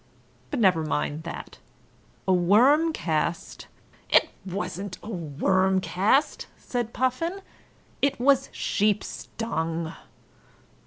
But never mind that. A worm cast " "It wasn't a worm cast," said Puffin. "It was sheep's dung!"